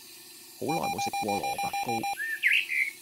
好耐無食過蘿蔔糕